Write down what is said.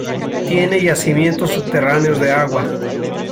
Tiene yacimientos subterráneos de agua.